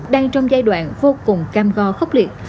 đang trong giai đoạn vô cùng cam go khốc liệt